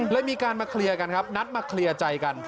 มีการมาเคลียร์กันครับนัดมาเคลียร์ใจกัน